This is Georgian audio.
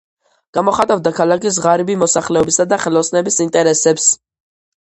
გამოხატავდა ქალაქის ღარიბი მოსახლეობისა და ხელოსნების ინტერესებს.